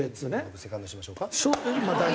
僕セカンドしましょうか？